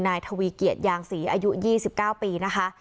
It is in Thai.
ทวีเกียจยางศรีอายุ๒๙ปีนะคะ